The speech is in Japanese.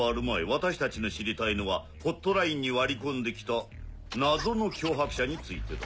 私たちの知りたいのはホットラインに割り込んできた謎の脅迫者についてだ。